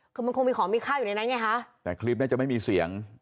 คือมันคงมีของมีค่าอยู่ในนั้นไงฮะแต่คลิปน่าจะไม่มีเสียง